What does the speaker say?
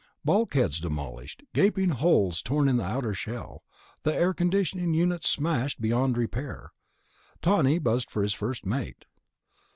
Bulkheads demolished, gaping holes torn in the outer shell, the air reconditioning units smashed beyond repair.... Tawney buzzed for his first mate.